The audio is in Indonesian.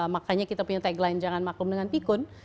makanya kita punya tagline jangan maklum dengan pikun